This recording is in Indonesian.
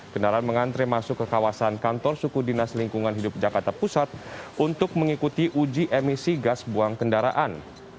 kendaraan mengantre masuk ke kawasan kantor suku dinas lingkungan hidup jakarta pusat untuk mengikuti uji emisi gas buang kendaraan